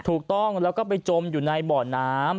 ถูกต้องแล้วก็ไปจมอยู่ในบ่อน้ำ